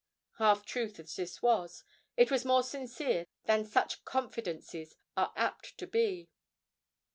Half truth as this was, it was more sincere than such confidences are apt to be.